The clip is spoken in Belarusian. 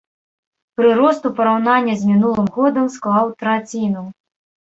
Прырост у параўнанні з мінулым годам склаў траціну.